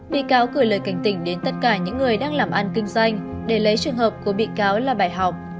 bị cáo gửi lời cảnh tỉnh đến tất cả những người đang làm ăn kinh doanh để lấy trường hợp của bị cáo là bài học